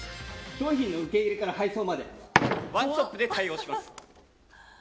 商品の受け入れから配送までワンストップで対応します。